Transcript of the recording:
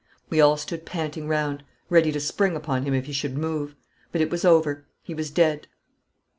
We all stood panting round, ready to spring upon him if he should move; but it was over. He was dead.